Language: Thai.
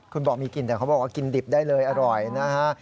คุณบอกมีกลิ่นแต่เขาบอกว่ากินดิบได้เลยอร่อยนะฮะ